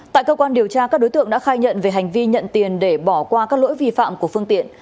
tại cơ quan điều tra các đối tượng đã khai nhận về hành vi nhận tiền để bỏ qua các lỗi vi phạm của phương tiện